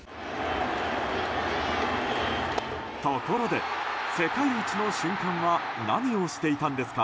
ところで、世界一の瞬間は何をしていたんですか？